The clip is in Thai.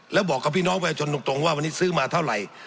แล้วบอกกับพี่น้องประชาชนตรงว่าวันนี้ซื้อมาเท่าไหร่